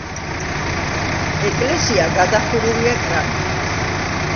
ეკლესია გადახურულია კრამიტით.